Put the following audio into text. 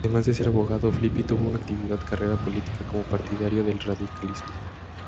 Además de ser abogado, Filippi tuvo una activa carrera política como partidario del radicalismo.